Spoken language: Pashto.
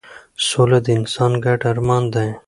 سوله د انسان ګډ ارمان دی